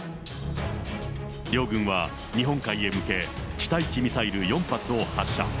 両軍は日本海へ向け、地対地ミサイル４発を発射。